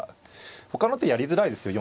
ほかの手やりづらいですよ。